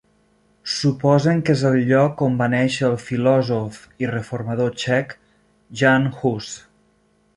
Suposen que és el lloc on va néixer el filòsof i reformador txec, Jan Hus.